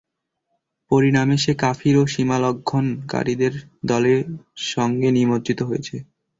পরিণামে সে কাফির ও সীমালংঘন কারীদের দলের সঙ্গে নিমজ্জিত হয়েছে।